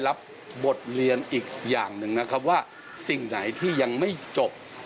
รับบทเรียนอีกอย่างหนึ่งนะครับว่าสิ่งไหนที่ยังไม่จบ